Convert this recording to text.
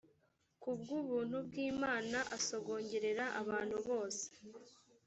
ku bw’ubuntu bw’imana asogongerere abantu bose